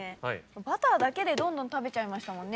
バターだけでどんどん食べちゃいましたもんね。